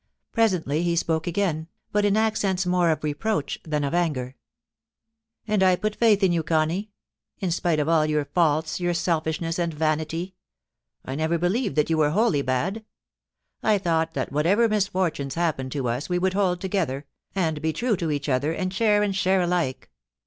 Presently he spoke again, but in accents more of reproach than of anger. *And I put faith in you, Connie — in spite of all your faults, your selfishness, and vanity. I never believed that you were wholly bad. ... I thought that whatever misfor tunes happened to us we would hold together, and be true to each other, and share and share alike.